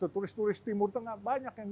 turis turis timur tengah banyak yang